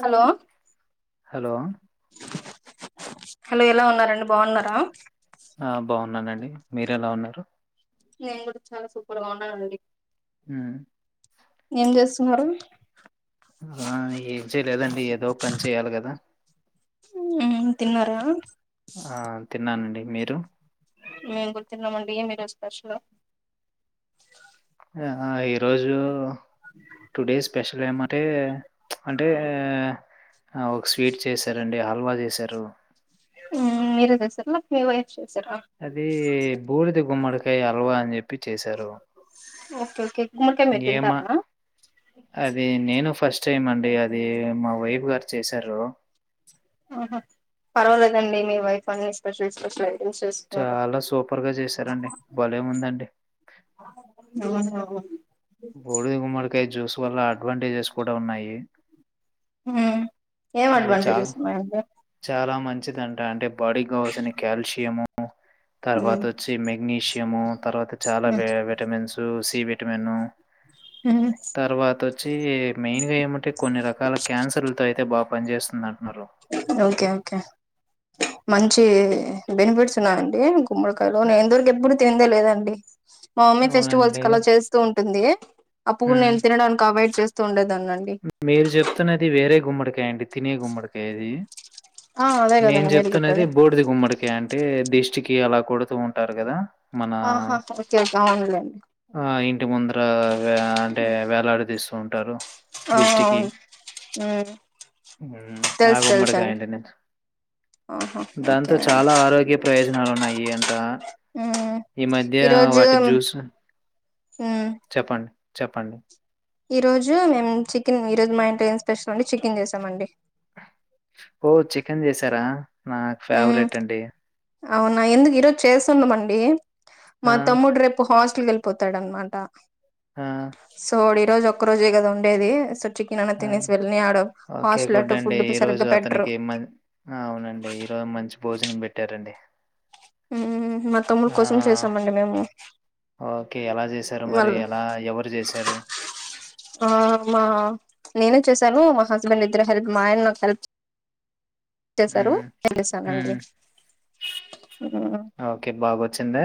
Hello hello hello ఎలా ఉన్నారండి బాగున్నారా ఉన్నానండి మీరూ ఎలా ఉన్నారు నేను కూడా చాలా సూపర్ గా ఉన్నానండి హమ్ తారు ఆ ఏం చేయలేదండి ఏదో పని చేయాలి కదా మ్మ్ తిన్నారా ఆ తిన్నానండి మీరు మేము గూడ తిన్నామండి ఏమి ఈరోజు స్పెషల్ ఆ ఈరోజు టూ డే స్పెషల్ ఏమంటే అంటే ఒక స్వీట్ చేసారండి హల్వా చేసారు మీరు దస అది బూడిది గుమ్మడికాయ అల్వా అని చెప్పి చేశారు ఓకే ఓకే గుమ్మడికాయ మీరు ఇ ఏమా తింటారా అది నేను ఫస్ట్ అండి అది మా వైఫ్ గారు చేశారు ఆహ పర్వాలేదండి మీ వైఫ్ అన్ని స్పెషల్ స్పెషల్ ఐటమ్స్ చేస్తున్నారు చాలా సూపర్ గా చేశారండి భలే ఉందండి ఆఓహ బూడిద గుమ్మడికాయ జ్యూస్ వల్ల అడ్వాంటేజ్సు కూడా ఉన్నాయి హ ఏం అది చాలా అడ్వాంటేజెస్ ఉన్నాయండి చాలా మంచిది అంట అంటే బాడీ కావాల్సిన కల్షియము తర్వాత మ్మ్ వచ్చి మెగ్నీషియము తర్వాత చాలా విటమిన్సు సి విటమిన్ మ్మ్ తర్వాత వచ్చి మెయిన్ గా ఏమంటే కొన్ని రకాల క్యాన్సర్తో అయితే బాగు పనిచేస్తున్న ఓకే కే మంచి బెనిఫిట్స్ ఉన్నాయండి గుమ్మడికాయలో నేను ఇదివరకు ఎప్పుడూ తినలేదండి [inaudible] మా మమ్మీ ఫెస్టివల్స్ అవునండి. కి అలా చేస్తూ ఉం ఉంది అప్పు హ్మ్. నేను తినడానికి అవాయిడ్ చేస్త తండా [inaudible] మీరు చెప్తున్నది వేరే గుమ్మడికాయ అండి తినే గుమ్మడికాయది ఆ అదే నేను కదండి మీరు చెప్తున్నది చెప్పేది బూడిది గుమ్మడికాయ అంటే దిష్టికి అలా కొడుతూ ఉంటారు, కదా! మన ఆహా ఓకే ఓకే అవునులేండి ఆ ఇంటి ముందర అంటే వేలాడి తీస్తు సరు ఆ దిష్టికి అవును మ్మ్ ఉ తెలుసు తెలుసు అండి ఆగుమ్మడికాయంటండి ఆహా దాంతో ఓకేనండి చాలా ఆరోగ్య ప్రయోజనాలు ఉన్నాయి అంట మ్మ్ ఈ మధ్య ఈరోజు వాటి జ్యూస్ చెప్పండి చెప్పండి ఈ రోజు మేము చికెన్ ఈ రోజు మా ఇంటి ఏం స్పెషల్ అండి చికెన్ చేసామండి. ఓ చికెన్ చేసారా! నాకు మ్మ్ ఫేవరెట్ అండి. అవునా! ఎందుకు ఈరోజు చేస్తున్నామండి. మా ఆ! తమ్ముడ రేప్ హస్ట్ అట్లు వెళ్ళిపోతాడన్నమాట ఆ! సో ఈ రోజు ఒక రోజే కదా ఉండేది చికెన్ అన్న ఉ తినేసి వెళ్ళని ఆడ ఒకే హాస్టల్ గుడ్ అటు అండి ఫుడ్ ఈరోజు సరిగ్గా పెట్టరు అతనికి మ అవునండి ఈరోజు మంచి భోజనం పెట్టారండి. మ్మ్ మా తమ్ముల కోసం చేసామండి మేము ఆ ఓకె ఎలా చేశారు మరీ మళ్ళ ఎలా ఎవరు చేశారు? ఆ మా నేనే చేశాను మా హస్బెండ్ ఇద్దరు హెల్ప్ మా ఆయన నాకు హెల్ప్ చె చేసారు హ్మ్. ఎల్లెసానండి హ్మ్. మ్మ్ ఓకే. బాగొచ్చిందా?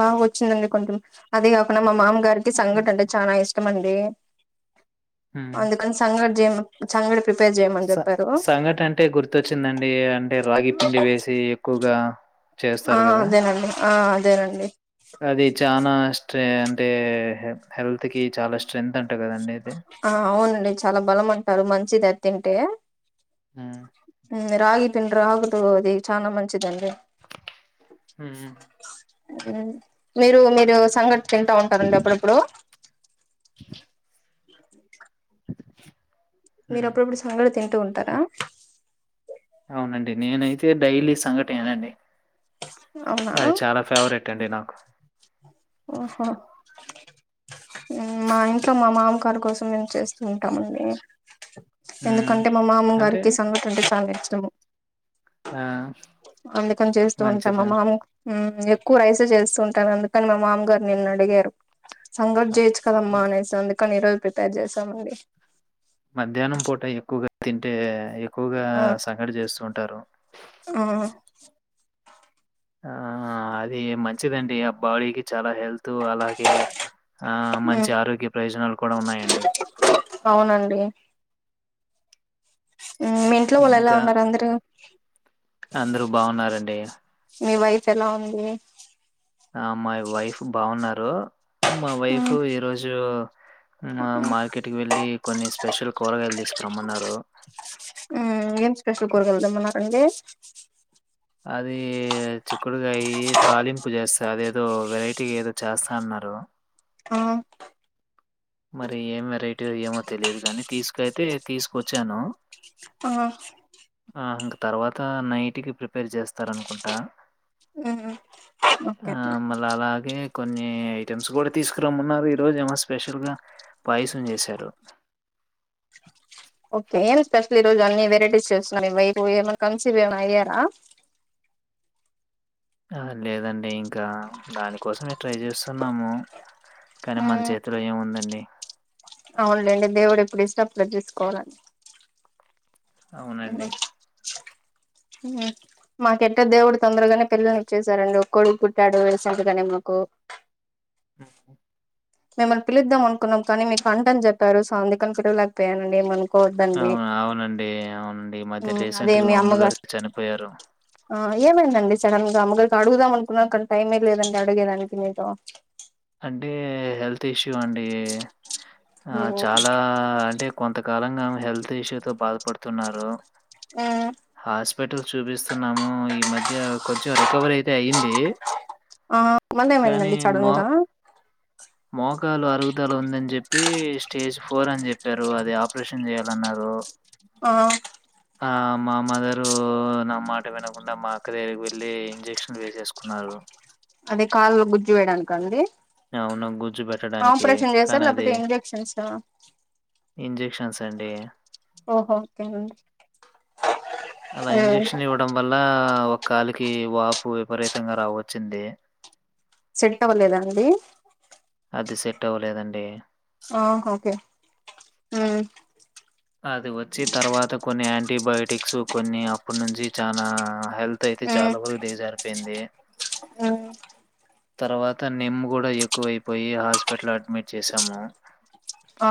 బాగొచ్చిందండి కొంచెం అదీ కాకుండా మా మామ గారికి సంఘట అంటే చాలా ఇష్టం అ తె హ్మ్. అందుకని సంగ జం చంగడిక్ స సంగటంటే గుర్తొచ్చిందండి అంటే రాగి పిండి వేసి ఎక్కువగా ఆ చేస్తారు కదా అదేనండి ఆ అదేనండి అది చానా స్ట్రేన్ అంటే హెల్త్ తికి చాలా స్ట్రెంత్ అంటా కదా అన్నది ఆ అవునండి చాలా బలం అంటారు మంచిది అది తింటే ఊ ఊ రాగి పిండ్ రాగుతో అది చానా మంచిది అండి హ్మ్. మీరు మీర్ ఇదిగో సంఘటిి తింటా ఉంటంది అప్పుడప్పుడు మీరు హ్మ్. అప్పుడప్పుడు సంగటి తింటూ అ ఉంటారా అవునండి నేనైతే డైలీ సంఘటేనండి అవునా అది చాలా ఫేవరెట్ అండి నాకు ఓహో ఉమ్ మా ఇంట్లో మా మామ కారు కోసం మేము చేస్తూ ఉంటామండి హ్మ్. ఎందుకంటే మా మామ అంటే గారికి సంగటంటే చాలా ఇష్టము ఆ అందుకని చేస్తూ ఉంటామ్ మా మంచిది. మామ్ ఊ ఎక్కువ రైసే చేస్తుంటాను అందుకని మా మామగారు నిన్న అడిగారు సంగట్ అ జెయిచ్చు కదమ్మా హ్మ్. అనేసి అద్ కొన్ని రోజుల్ ప్రిపేర్ జెస్తామండి మధ్యాహ్నం పూట ఎక్కువగా తింటే ఎక్ ఎక్కువగా ఆ సంగటి చేస్తూ ఉంటారు ఆ ఆ అది మంచిదండి ఆ బాడీకి చాలా హెల్త్ అలాగే ఆ మంచి ఉమ్ ఆరోగ్య ప్రయోజనాలు కూడా ఉన్నాయండి అవునండి ఉమ్ మీ ఇంట్లో వాళ్ళు ఎలా ఇంకా ఉన్నారు అందరు అందరూ బావున్నారండి చలో అండి ఆ మై వైఫ్ బావున్నారు మా వైఫ్ ఉమ్ ఈరోజు ఉమా మార్కెట్ కి వెళ్ళి కొన్ని స్పెషల్ కూరగాయలు తీస్క్ రమ్మన్నారు ఊ ఏం స్పెషల్ కూరగాయలు తెమన్నారు అండి అది చిక్కుడుగాయి తాలింపు చేస్తా అదేదో వెరైటీ ఏదో చేస్తా అన్నారు ఆ మరి ఏం వెరైటీ ఏమో తెలీదు గానీ తీసుకుయితే తీసుకొచ్చాను ఆ ఆ ఇంక తర్వాత నైట్కి ప్రిపేర్ జేస్తరనుకుంటా ఉమ్ ఆ ఓకే మళ్ళ అలాగే కొన్ని ఐటమ్స్ కూడా తీసుకురమ్మన్నారు ఈరోజు ఏమో స్పెషల్గా పాయిసం చేశారు ఒకే ఏం స్పెషల్ ఈ రోజు అన్ని వెరైటీస్ చేస్తున్నారు ఈ వైఫు ఏమన్న కన్సివ్ ఏమన్ అయ్యార ఆ లేదండి ఇంకా దానికోసమే ట్రై చేస్తున్నాము కానీ మన్ ఉమ్ చేతిలో ఏముందండి అవునులేండి దేవుడు ఎప్పుడు ఇస్తే అప్పుడు తీస్కోవాలండి అవునండి ఊ మాక్ ఎట్టో దేవుడు తొందరగానే పిల్లల్ని ఇచ్చేసారండి ఒక్ కొడుకు పుట్టాడు రీసెంట్గానే మాకు ఊ హు మిమ్మల్ని పిలుద్దాం అనుకున్నాం కానీ మీకు అంట్ అని జెప్పారు సో అందుకని పిలవలేకపోయానండి ఏం అన్ అవును అవునండి అవునండి మధ్య ఉమ్ అదే రీసెంట్గా మీ మా అమ్మగారు చనిపోయారు ఆ ఏమైందండి సడన్ గా అమ్మగారికి అడుగుదాం అనుకున్నా కానీ టైమే లేదండి అడిగేదానికి మీతో అంటే హెల్త్ ఇష్యూ అండి ఆ ఉమ్ చాలా అంటే కొంత కాలంగా హెల్త్ ఇష్యూ తో బాధపడుతున్నారు ఆ హాస్పిటల్ చూపిస్తున్నాము ఈ మధ్య కొంచం రికవరీ అయితే అయ్యింది ఆ మల్లా ఏం అయింది సడన్ గా మోకాలు అరవ ధల ఉందని చెప్పి స్టేజ్ ఫోర్ అని చెప్పారు అది ఆపరేషన్ చేయాలన్నారు [unintelligible] ఆ ఆ మా మదరు నా మాట వినకుండా మా అక్క దగ్గకి వెళ్ళి ఇంజక్షన్లు వేసేసుకున్నారు అదే కాలులో గుజ్జు వేయడానికి అండి అవును గుజ్జు పెట్టడానికి ఆపరేషన్ చేసారా కానీ అది లేకపోతే ఇంజెక్షన్స్ ఆ ఏం చెప్ప లక్షన్స్ అండి ఓహో ఓకేనండి అలా ఇంజెక్షన్ ఇవ్వడం వల్ల ఒక కాలకి వాపు విపరీతంగా రావచ్చింది సెట్ అవ్వలేదా అండి అది సెట్ అవ్వలేదండి ఆ ఓకే అది వచ్చి తర్వాత కొన్ని యా ఎయాంటీబయాోటిక్స్ కొన్ని అప్పటి నుంచి చాలా హెల్త్ అయితే ఉమ్ చాలా వరకు దిగజారిపోయింది ఉమ్ తర్వాత నిమ్ము కూడా ఎక్కువైపోయి హాస్పిటల్లో అడ్మిట్ చేశాము ఆ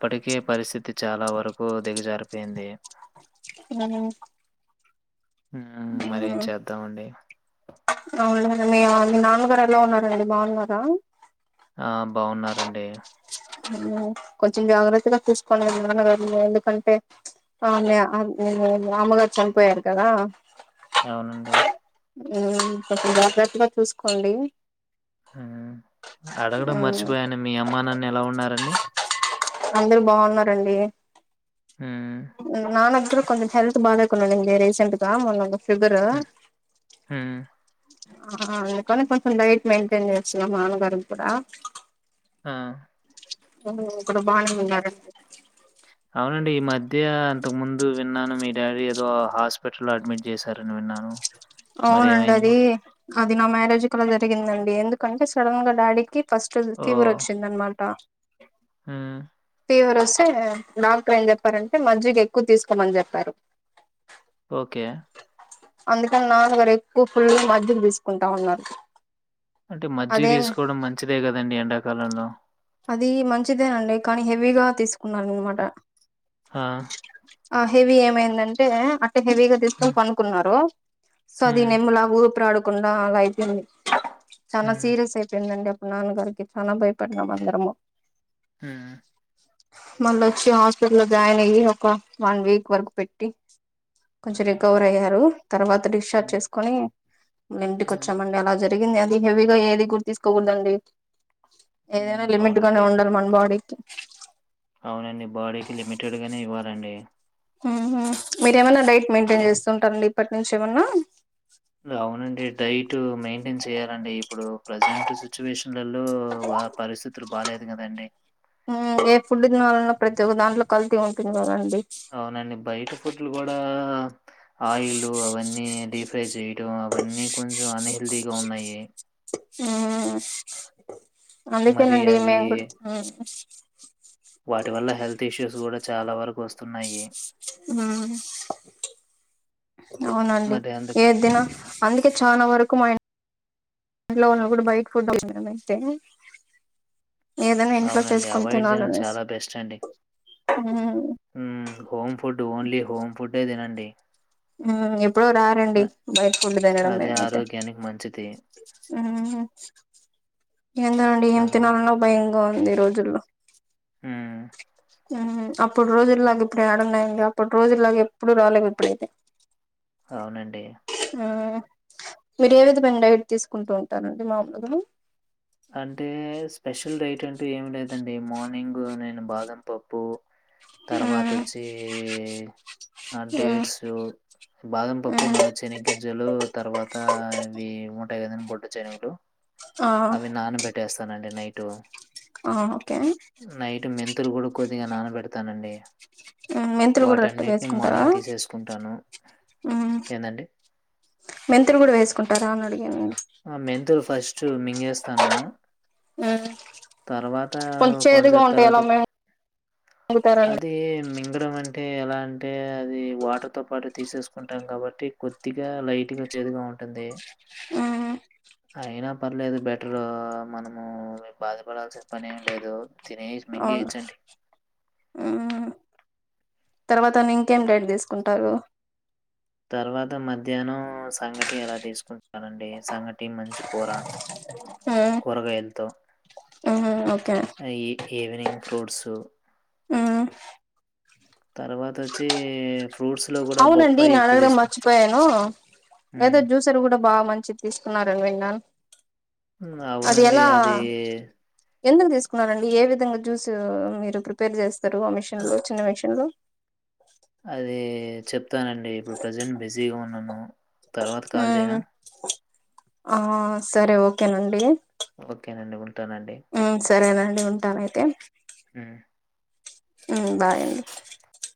ఇప్పటికీ పరిస్థితి చాలా వరకు దిగజారిపోయింది అ మరేం చేద్దామండి అవునులేండి మీ నాన్నగారు ఎలా ఉన్నారండి బాగున్నారా ఆ బాగున్నారంండి కొంచెం జాగ్రత్తగా చూసుకోలే నాన్నగారుని ఎందుకంటే ఆ నేను అమ్మగారు చనిపోయారు కదా అవునండి. కొంచెం జాగ్రత్తగా చూసుకోండి హ్మ్మ్ అడగడం మర్చిపోయాను మీ అమ్మా నాన్న ఎలా ఉన్నారు అన్ని అందరు బాగున్నారండి హ్మ్. హ్మ్మ్ నాన్నా ఇప్పుడు కొంచెం హెల్త్ బాలేకుండింది రీసెట్గా మొన్న షుగర్ హ హ ఆ అందుకని కొంచెం డైట్ మెయింటైన్ చేస్తున్నాం మా నాన్నగారికీ కూడా ఆ హ్మ్మ్ ఇప్పుడు బానే ఉన్నారు అవునండి. ఈ మధ్య అంతకు ముందు విన్నాను మీ డాడీ ఏదో హాస్పిటల్లో అడ్మిట్ చేశారని విన్నాను అవునండి మరేమైంది? అది అది నా మ్యారేజ్ కు ముందు జరిగిందండి ఎందుకంటే సడన్ గా డాడీకి ఫస్ట్ రోజు ఫీవర్ వచ్చిందన్నమాట హ్మ్మ్ ఫీవర్ వస్తే డాక్టర్ ఏం చెప్పారంటే మజ్జిగా ఎక్కువ తీసుకోమని చెప్పారు ఓకే అందు నానా గారు ఎక్కువ ఫుల్ గా మజ్జిగ తీసుకుంటా ఉన్నారు అంటే మజ్జి అదేం తీసుకోవడం మంచిదే కదండి ఎండాకాలంలో అది మంచిదేనండి కానీ హెవీగా తీసుకున్నారన్నమాట ఆ! ఆ హెవి ఏమైందంటే హెవీగా హ్మ్. తీసుకని పడుకున్నారు సో హ్మ్. అది నెమ్మల ఊపిరి రా కుండా అలా అయిపోయింది హ్మ్. చాలా సీరియస్ అయిపోయిందండి నాన్నగారికి చాలా భయపడినాం అందరము హ్మ్. మళ్ళ వచ్చి హాస్పిటల్ లో జాయిన్ అయ్యి ఒక వన్ వీక్ వరకు పెట్టి కొంచం హ్మ్. రికవర్ అయ్యారు తర్వాత డిశ్చార్జ్ హ్మ్. చేసుకని ఇంటికి హ్మ్. వచ్చాం అండి అలాగే జరిగింది అది హెవీగా ఏది గూడా తీసుకోకూడదండి ఏదైనా హ్మ్. లిమిట్ గానే అవునండి. ఉండాలి మన బాడీకి అవునండి బాడీకి లిమిటెడ్ గానే ఇవ్వాలండి హ్మ్మ్ మీరేమన్నా డైట్ మెయింటైన్ చేస్తుంటారండి ఇప్పటి నుంచి ఏమన్నా అవునండి డైట్ మెయింటైన్ చేయాలండి ఇప్పుడు ప్రజెంట్ సిచ్యువేషన్లలో పరిస్థితులు బాగాలేదు కదండి ఉమ్ ఏ ఫుడ్ తినలన్న ప్రతి ఒక్క దాంట్లో కల్తీ ఉంటుంది కదా అండి అవునండి బయట గుడ్లో కూడా ఆయిల్ అవన్నీ ట్రైచెయ్ అవన్నీ కొంచ్ దో అన్హెల్త్తీగా ఉన్నాయి ఉమ్ మరి అందుకేనండి అవి మేము కూడా వాటి వల్ల హెల్త్ ఇష్యూస్ కూడా చాలా వరకు వాస్త్ స్తున్నాయి ఆ అవునండి మరి ఏ అందుకు దిన అందుకే చానా వరకు కుమైనా ఇంట్లో ఉన్న కూడా బయట ఫుడ్ అన్నాయితే అవునండి అవాయిడ్ చేయడం చాలా బెస్ట్ అండి మ్మ్ హ్మ్మ్ హోమ్ ఫుడ్ ఓన్లీ హోమ్ ఫుడే తినండి ఉమ్ ఎప్పుడో అ రేర్అండి బయట ఫుడ్ తినడం అదే మేమైతే ఆరోగ్యానికి మంచిది. ఉమ్ హ్మ్మ్ ఎందో అండి ఏం ఆ! తినాలన్న భయం గా ఉంది ఈ రోజుల్లో ఉమ్ ఉమ్ అప్పుడు రోజులాగా ఇప్పుడు యాడ ఉన్నాయండి అప్పుడు రోజులాగా ఎప్పుడు రాలేవు ఇప్పుడైతే అవునండి ఆ మీరు ఏ విధంమైన డైట్ తీసుకుంటూ ఉంటారండి మాములుగా అంటే స్పెషల్ డైట్ అంటూ ఏం లేదండి మార్నింగ్ నేను బాదం పప్పు తర్వాత వచ్చి మ్మ్ డేట్స్ బాదం పప్పు మ్మ్ నా శనిగింజలు తర్వాత ఇవి ఉంటాయి కదండీ బొడ్డ శనుగలు ఆ అవి నాన పెట్టేస్తానండి నైట్ ఆ ఓకే తులు కూడా కొద్దిగా నానబెడతానండి మెంతులు కూడా వాటిల్లో వాటన్నిటిని వేసుకుంటారా మార్నింగ్ తీసేసుకుంటాను. ఏందండి? మెంతులు కూడా వేసుకుంటారా అని అడిగాను నేను ఆ మెంతూలు ఫస్ట్ మింగేస్తాను మ్మ్ తర్వాత కొంచెం చేదుగా కొన్సెప్ ఉంటే ఎలా తర్వాత మింగుతారండి అది మింగడం అంటే ఎలా అంటే అది వాటర్తో పాటు తీసేసుకుంటాం కాబట్టి కొద్దిగా లైట్గా చేదుగా ఉంటుంది మ్మ్ అయినా పర్లేదు బెటర్ మనము బాధపడాల్సిన పని ఏం లేదు తినేసి అవును మిగేయ్యచండి తర్వాతని ఇంకేం ట్ తీసుకుంటారు తర్వాత మధ్యాహ్నం సంగటి ఎలా తీసుకుంటాలండి సంగటి మంచి కూర మ్మ్ కూరగాయలతో మ్మ్ ఓకే అ ఈవినింగ్ ఫ్రూట్సు మ్మ్ తర్వాత వచ్చి అవునండి న అడగ మర్చిపోయాను హ్మ్. ఏదో జ్యూసర్ కూడా బాగా మంచిది తీసుకున్నారని విన్నాను అవునండి అది ఎందుకు తీసుకున్నారండి ఏ విధంగా జ్యూస్ మీరు ప్రిపేర్ చేస్ సరు ఆ మిషన్ లో చిన్న మిషన్ లో అదే చెప్తానండి ఇప్పుడు ప్రజెంట్ బిజీగా ఉన్నాను తర్వాత కాల్ మ్మ్ చేయనా ఆ సరే ఓకేనండి ఓకే నండి ఉం ఉ సరేనండి నేన్ ఉంటాను అయితే మ్ మ్ బాయ్ అండి